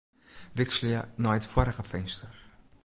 Wikselje nei it foarige finster.